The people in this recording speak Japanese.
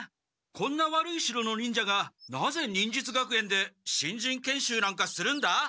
こんな悪い城の忍者がなぜ忍術学園で新人研修なんかするんだ！？